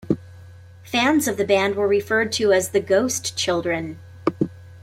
Fans of the band were referred to as the "Ghost Children".